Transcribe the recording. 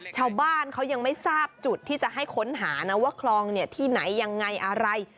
ชาวบ้านเขายังไม่ทราบจุดที่จะให้ค้นหานะว่าคลองที่ไหนยังไงอะไร